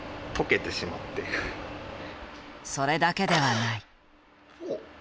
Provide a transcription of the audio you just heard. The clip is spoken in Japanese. それだけではない。